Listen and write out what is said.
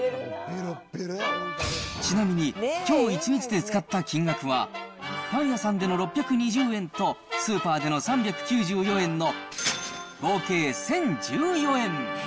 ちなみに、きょう一日で使った金額は、パン屋さんでの６２０円と、スーパーでの３９４円の合計１０１４円。